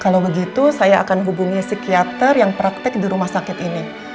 kalau begitu saya akan hubungi psikiater yang praktek di rumah sakit ini